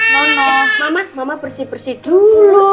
mama mama bersih bersih dulu